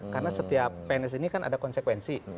karena setiap pns ini kan ada konsekuensi